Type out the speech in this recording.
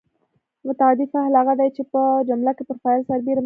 متعدي فعل هغه دی چې په جمله کې پر فاعل سربېره مفعول هم لري.